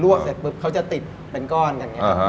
วกเสร็จปุ๊บเขาจะติดเป็นก้อนอย่างนี้